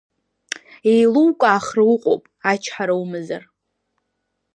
Еилукаахра уҟоуп, ачҳара умазар.